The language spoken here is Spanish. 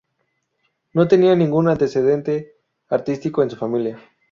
No tenía ningún antecedente artístico en su familia.